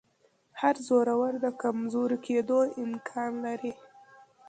هر زورور د کمزوري کېدو امکان لري